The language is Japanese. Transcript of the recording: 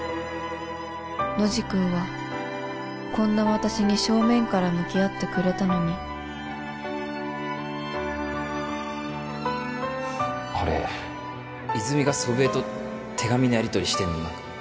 ノジ君はこんな私に正面から向き合ってくれたのに俺泉が祖父江と手紙のやりとりしてるの何か